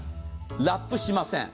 ラップしません。